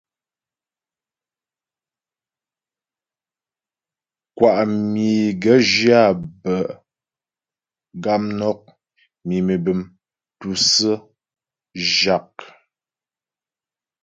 Kwá myə é gaə̌ zhyə áa bə̌ gamnɔk, mimî bəm, tûsə̀ə, zhâk.